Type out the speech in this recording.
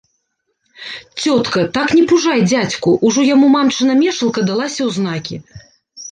Цётка, так не пужай дзядзьку, ужо яму мамчына мешалка далася ў знакі.